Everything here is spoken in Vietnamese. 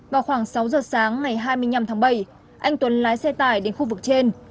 vào khoảng sáu giờ sáng ngày hai mươi năm tháng bảy anh tuấn lái xe tải đến khu vực trên